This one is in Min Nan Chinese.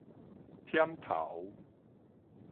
忝頭